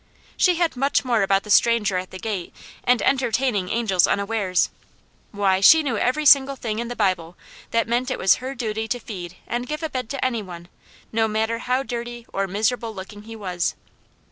She had much more about the stranger at the gate and entertaining angels unawares; why, she knew every single thing in the Bible that meant it was her duty to feed and give a bed to any one, no matter how dirty or miserable looking he was!